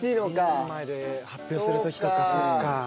みんなの前で発表する時とかそっか。